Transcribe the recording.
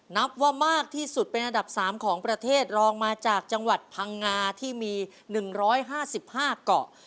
นับว่ามากที่สุดเป็นอันดับ๓ของประเทศรองมาจากจังหวัดพังงาที่มี๑๕๕เกาะ